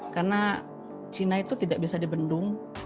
karena china itu tidak bisa dibendung